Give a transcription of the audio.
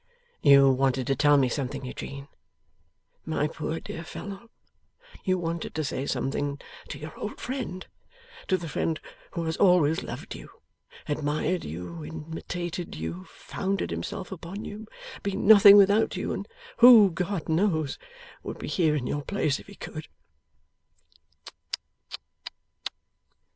'You wanted to tell me something, Eugene. My poor dear fellow, you wanted to say something to your old friend to the friend who has always loved you, admired you, imitated you, founded himself upon you, been nothing without you, and who, God knows, would be here in your place if he could!